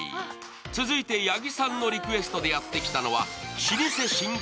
続いて八木さんのリクエストでやってきたのは老舗寝具